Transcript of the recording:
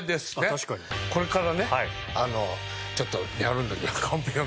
これからねちょっとやるんだけど。